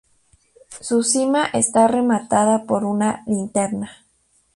Su cima está rematada por una linterna.